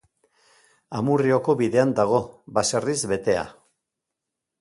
Amurrioko bidean dago, baserriz betea.